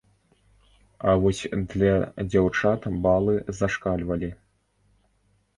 А вось для дзяўчат балы зашкальвалі.